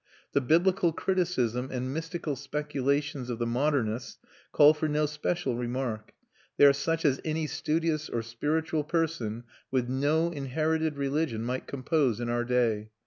The biblical criticism and mystical speculations of the modernists call for no special remark; they are such as any studious or spiritual person, with no inherited religion, might compose in our day.